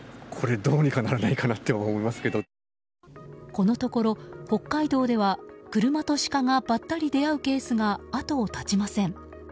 このところ北海道では車とシカがばったり出会うケースが後を絶ちません。